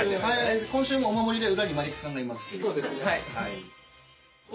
今週もお守りで裏にマリックさんがいます。